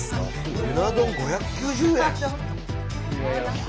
うな丼５９０円！